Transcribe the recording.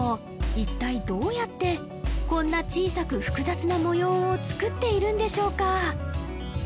一体どうやってこんな小さく複雑な模様を作っているんでしょうか？